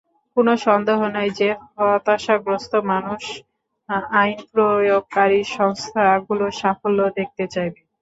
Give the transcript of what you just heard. কোনো সন্দেহ নেই যে, হতাশাগ্রস্ত মানুষ আইন প্রয়োগকারী সংস্থাগুলোর সাফল্য দেখতে চাইবে।